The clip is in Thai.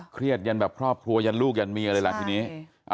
เครียดยันแบบครอบครัวยันลูกยันมีอะไรแหละทีนี้